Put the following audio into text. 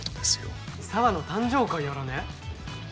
沙和の誕生会やらね？